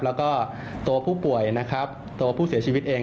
แล้วก็ตัวผู้ป่วยนะครับตัวผู้เสียชีวิตเอง